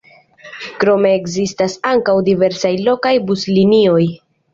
Krome ekzistas ankaŭ diversaj lokaj buslinioj.